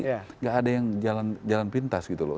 tidak ada yang jalan pintas gitu loh